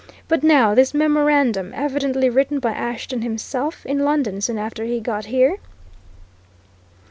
"But now, this memorandum, evidently written by Ashton himself, in London, soon after he got here?"